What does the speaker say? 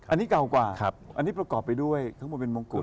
อันนี้เก่ากว่าอันนี้ประกอบไปด้วยข้างบนเป็นมงกุฎ